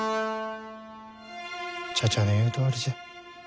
茶々の言うとおりじゃ。